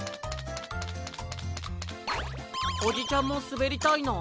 おじちゃんもすべりたいの？